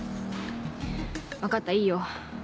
分かったいいよ。